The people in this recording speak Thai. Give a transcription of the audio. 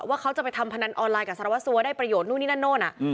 ว่าเค้าจะไปทำพนันออนไลน์กับสรวษวได้ประโยชน์นู่นนี่นั่นเนอะ